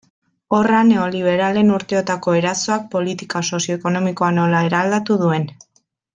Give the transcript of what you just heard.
Horra neoliberalen urteotako erasoak politika sozio-ekonomikoa nola eraldatu duen.